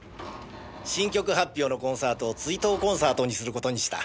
「新曲発表のコンサートを追悼コンサートにする事にした」。